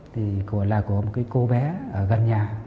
thì là của một cô bé ở gần nhà